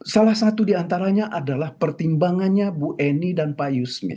salah satu di antaranya adalah pertimbangannya bu eni dan pak yusmit